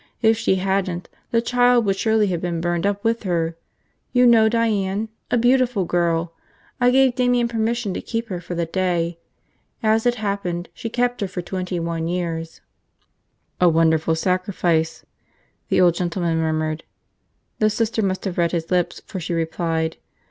If she hadn't, the child would surely have been burned up with her. You know Diane? A beautiful girl. I gave Damian permission to keep her for the day. As it happened, she kept her for twenty one years." "A wonderful sacrifice," the old gentleman murmured. The Sister must have read his lips, for she replied.